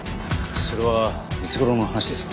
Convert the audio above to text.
それはいつ頃の話ですか？